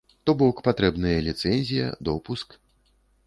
То бок патрэбныя ліцэнзія, допуск.